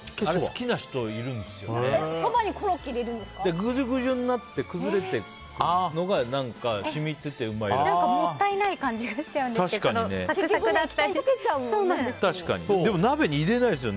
ぐじゅぐじゅになって崩れてるのがもったいない感じがしちゃうんですけど。